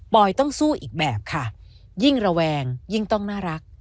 ต้องสู้อีกแบบค่ะยิ่งระแวงยิ่งต้องน่ารัก